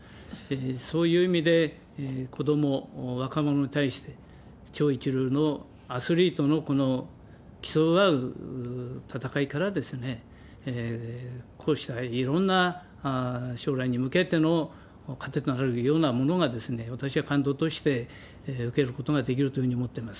そういう意味で、子ども、若者に対して、超一流のアスリートのこの競い合う戦いから、こうしたいろんな将来に向けての糧となるようなものが、私は感動として受けることができるというふうに思ってます。